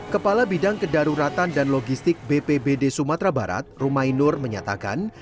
kepala bidang kedaruratan dan logistik bpbd sumatera barat rumai nur menyatakan